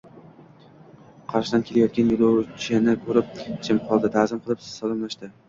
Qarshidan kelayotgan yoʻlovchini koʻrib jim qoldi, taʼzim qilib salomlashdi.